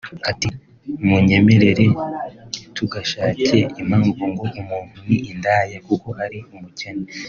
Ati “Munyemerere ntitugashake impamvu ngo umuntu ni indaya kuko ari umukene